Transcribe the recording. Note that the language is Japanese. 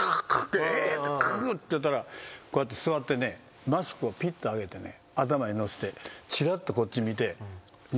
「ククク」って言ったら座ってねマスクをピッと上げてね頭に載せてチラッとこっち見て。